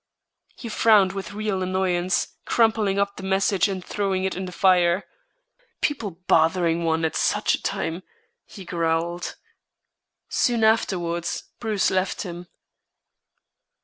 He frowned with real annoyance, crumpling up the message and throwing it in the fire. "People bothering one at such a time," he growled. Soon afterwards Bruce left him.